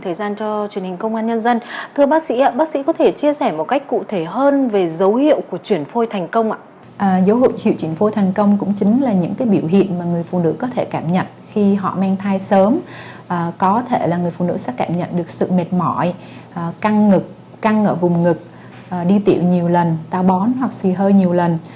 họ mang thai sớm có thể là người phụ nữ sẽ cảm nhận được sự mệt mỏi căng ngực căng ở vùng ngực đi tiệu nhiều lần tao bón hoặc xì hơi nhiều lần